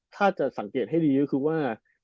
ถ้าจะสังเกตให้ดีก็คือว่า